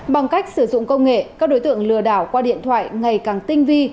bằng cách sử dụng công nghệ các đối tượng lừa đảo qua điện thoại ngày càng tinh vi